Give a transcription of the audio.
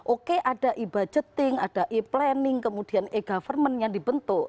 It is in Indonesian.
oke ada e budgeting ada e planning kemudian e government yang dibentuk